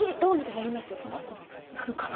なるかな？